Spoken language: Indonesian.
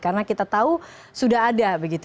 karena kita tahu sudah ada